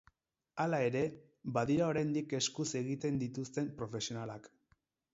Hala ere, badira oraindik eskuz egiten dituzten profesionalak.